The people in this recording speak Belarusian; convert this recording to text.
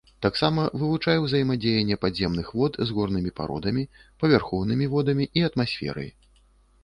Таксама вывучае узаемадзеянне падземных вод з горнымі пародамі, павярхоўнымі водамі і атмасферай.